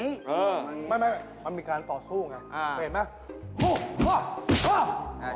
ไม่มันมีการต่อสู้ไง